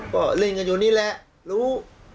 ก็เล่นกันอยู่นี่แหละรู้